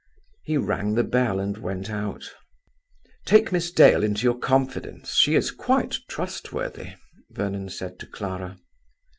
He rang the bell and went out. "Take Miss Dale into your confidence; she is quite trustworthy," Vernon said to Clara.